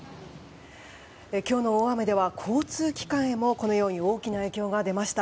今日の大雨では交通機関にも大きな影響が出ました。